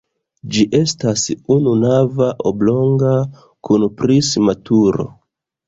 Ĝi estas ununava oblonga kun prisma turo.